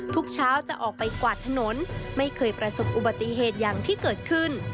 ทุกเช้าจะออกไปกวาดถนนไม่เคยประสบอุบัติเหตุอย่างที่เกิดขึ้น